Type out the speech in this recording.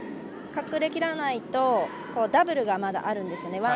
隠れきらないとダブルがまだあるんですよね。